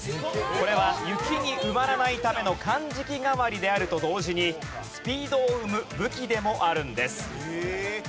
これは雪に埋まらないためのかんじき代わりであると同時にスピードを生む武器でもあるんです。